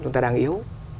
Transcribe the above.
chúng ta đang yếu